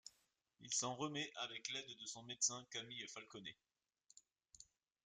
Il s'en remet avec l'aide de son médecin Camille Falconet.